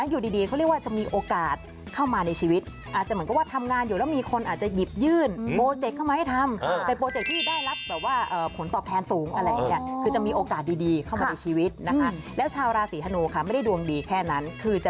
อยู่ดีเขาเรียกว่าจะมีโอกาสเข้ามาในชีวิต